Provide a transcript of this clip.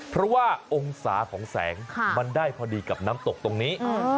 เพราะว่าองศาของแสงมันได้พอดีกับน้ำตกตรงนี้